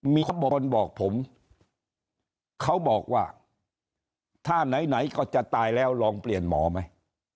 มีคนบอกผมเขาบอกว่าถ้าไหนไหนก็จะตายแล้วลองเปลี่ยนหมอไหม